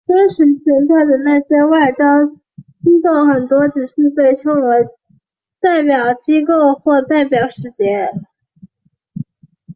事实存在的这些外交机构很多是只被称为代表机构或代表使节。